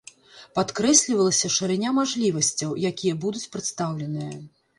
Падкрэслівалася шырыня мажлівасцяў, якія будуць прадстаўленыя.